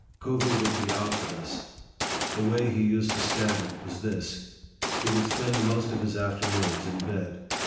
Covey would be out with us. The way he used to stand it, was this. He would spend the most of his afternoons in bed.